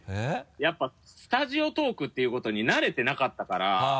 やっぱスタジオトークっていうことに慣れてなかったから。